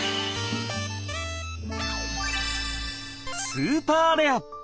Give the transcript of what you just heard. スーパーレア！